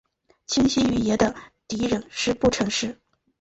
清晰语言的敌人是不诚实。